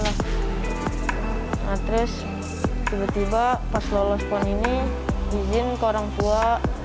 nah terus tiba tiba pas lolos pon ini izin ke orang tua